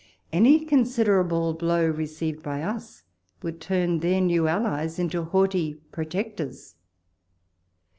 Any considerable blow received by us, would turn their new allies into haughty protectors.